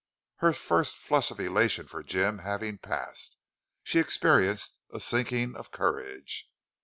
Her first flush of elation for Jim having passed, she experienced a sinking of courage.